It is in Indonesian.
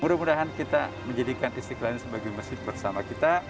mudah mudahan kita menjadikan istiqlal sebagai masjid bersama kita